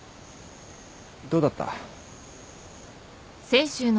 どうだった？